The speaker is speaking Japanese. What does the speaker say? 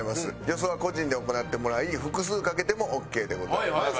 予想は個人で行ってもらい複数賭けてもオーケーでございます。